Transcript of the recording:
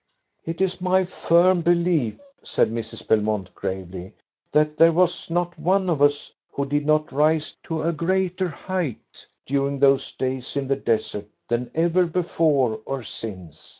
"It is my firm belief," said Mrs. Belmont gravely, "that there was not one of us who did not rise to a greater height during those days in the desert than ever before or since.